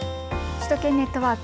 首都圏ネットワーク。